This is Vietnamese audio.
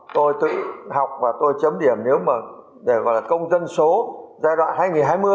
tôi tự học và tôi chấm điểm nếu mà công dân số giai đoạn hai nghìn hai mươi